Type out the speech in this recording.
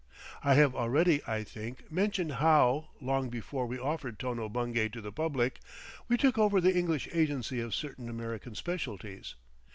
I have already I think, mentioned how, long before we offered Tono Bungay to the public, we took over the English agency of certain American specialties.